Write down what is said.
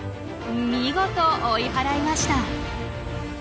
見事追い払いました。